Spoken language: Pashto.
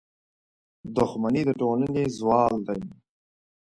• دښمني د ټولنې زوال دی.